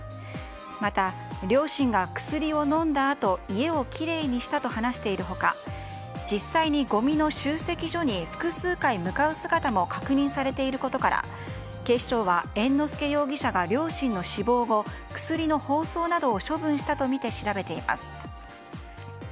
また、両親が薬を飲んだあと家をきれいにしたと話している他実際にごみの集積所に複数回向かう姿も確認されていることから警視庁は猿之助容疑者が両親の死亡後薬の包装などを処分したとみて調べています。